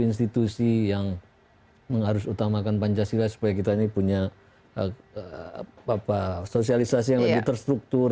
institusi yang mengharus utamakan pancasila supaya kita ini punya sosialisasi yang lebih terstruktur